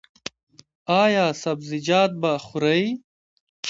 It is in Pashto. ایا سبزیجات به خورئ؟